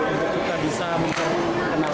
untuk kita bisa mencoba kenalkan